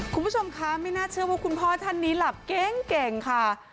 คุณผู้ชมคะไม่น่าเชื่อว่าคุณพ่อท่านนี้หลับเก่งค่ะ